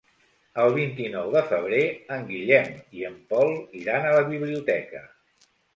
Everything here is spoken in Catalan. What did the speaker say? El vint-i-nou de febrer en Guillem i en Pol iran a la biblioteca.